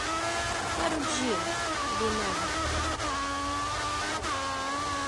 Faru ĝin vi mem'.